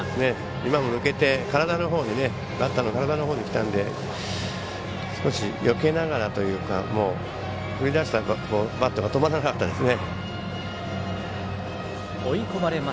今も抜けてバッターの体のほうにきたんで少しよけながらというか振り出したバットが止まらなかったですね。